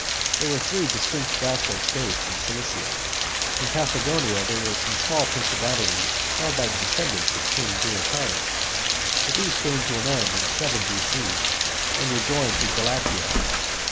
There were three distinct vassal states in Cilicia. In Paphlagonia there were some small principalities held by descendants of King Deiotarus, but these came to an end in 7 B.C. and were joined to Galatia.